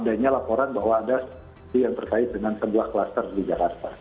tetapi ada laporan bahwa ada yang terkait dengan kedua kluster di jakarta